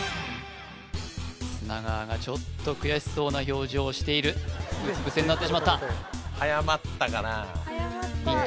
砂川がちょっと悔しそうな表情をしているうつ伏せになってしまったはやまったかなヒント